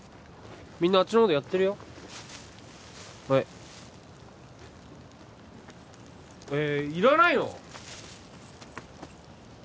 みんなあっちのほうでやってるよはいえっいらないの？